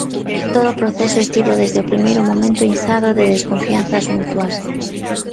Todo o proceso estivo desde o primeiro momento inzado de desconfianzas mutuas.